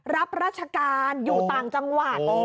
รับราชการอยู่ต่างจังหวัด